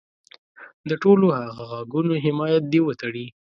د ټولو هغه غږونو حمایت دې وتړي.